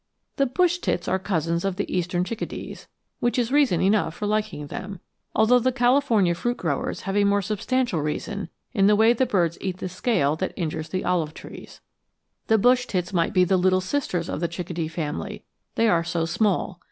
THE bush tits are cousins of the eastern chickadees, which is reason enough for liking them, although the California fruit growers have a more substantial reason in the way the birds eat the scale that injures the olive trees. The bush tits might be the little sisters of the chickadee family, they are so small.